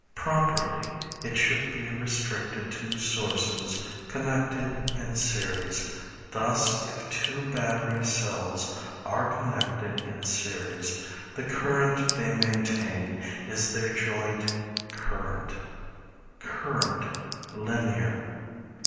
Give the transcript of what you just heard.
Properly, it should be restricted to sources connected in series, thus if two battery cells are connected in series the current they maintain is their joint current. Current, Linear.